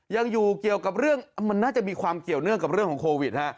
ยังอยู่เกี่ยวกับเรื่องมันน่าจะมีความเกี่ยวเนื่องกับเรื่องของโควิดฮะ